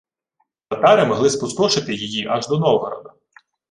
Татари могли спустошити її аж до Новгорода